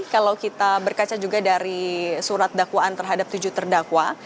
kalau kita berkaca juga dari surat dakwaan terhadap tujuh terdakwa